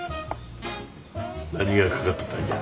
何がかかっとったんじゃ？